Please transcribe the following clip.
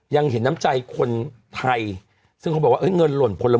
ยังเห็นน้ำใจคนไทยซึ่งบอกว่าโอเคเงินหล่นพลเมืองดีจริง